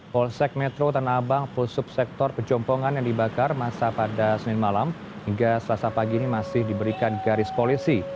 polsek metro tanah abang pulsub sektor pejompongan yang dibakar masa pada senin malam hingga selasa pagi ini masih diberikan garis polisi